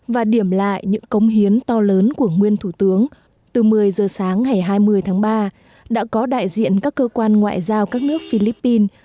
và điểm lại những cống hiến to lớn của nguyên thủ tướng từ một mươi giờ sáng ngày hai mươi tháng ba đã có đại diện các cơ quan ngoại giao các nước philippines